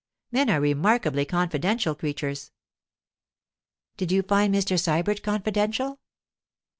Men are remarkably confidential creatures.' 'Did you find Mr. Sybert confidential?